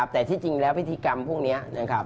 แต่ที่จริงแล้วพิธีกรรมพวกนี้